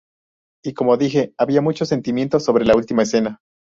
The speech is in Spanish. Y como dije, había mucho sentimiento sobre la última escena.